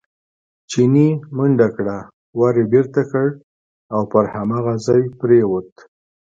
چیني منډه کړه، ور یې بېرته کړ او پر هماغه ځای پرېوت.